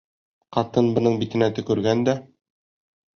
Ҡатын бының битенә төкөргән дә...